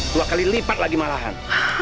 dua kali lipat lagi malahan